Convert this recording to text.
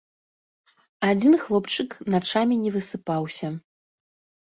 Адзін хлопчык начамі не высыпаўся.